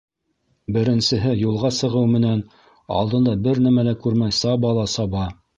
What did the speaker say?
Беренсеһе юлға сығыу менән, алдында бер нәмә лә күрмәй саба ла саба.